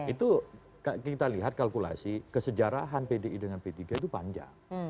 itu kita lihat kalkulasi kesejarahan pdi dengan p tiga itu panjang